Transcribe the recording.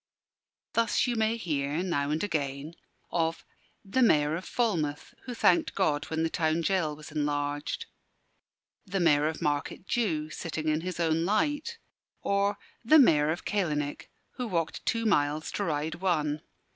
Thus you may hear, now and again, of "the Mayor of Falmouth, who thanked God when the town gaol was enlarged," "the Mayor of Market Jew, sitting in his own light," or "the Mayor of Calenich, who walked two miles to ride one."